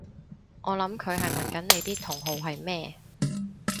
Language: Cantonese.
我諗佢係問緊你啲同好係咩？